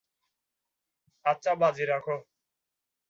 আচ্ছা বাজি রাখো।